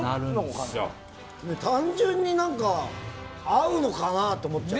単純に合うのかなと思っちゃう。